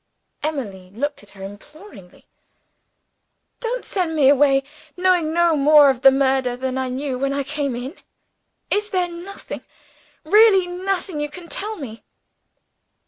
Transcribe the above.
Emily looked at her imploringly. "Don't send me away, knowing no more of the murder than I knew when I came here! Is there nothing, really nothing, you can tell me?"